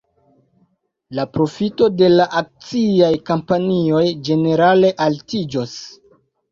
La profito de la akciaj kompanioj ĝenerale altiĝos.